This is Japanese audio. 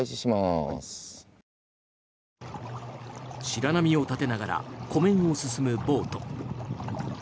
白波を立てながら湖面を進むボート。